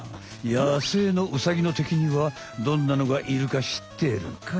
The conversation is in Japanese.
野生のウサギの敵にはどんなのがいるかしってるかい？